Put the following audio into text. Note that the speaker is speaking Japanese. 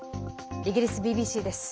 イギリスＢＢＣです。